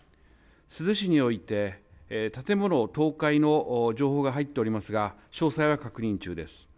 珠洲市において建物倒壊の情報が入っておりますが詳細は確認中です。